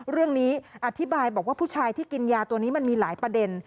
อธิบายบอกว่าผู้ชายที่กินยาตัวนี้มันมีหลายประเด็น